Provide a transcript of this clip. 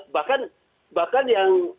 bahkan bahkan yang